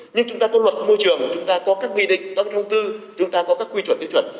nhưng chúng ta có luật môi trường chúng ta có các nghị định các thông tư chúng ta có các quy chuẩn tiêu chuẩn